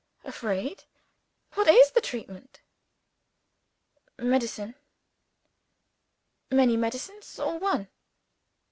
"Afraid? What is the treatment?" "Medicine." "Many medicines? or one?"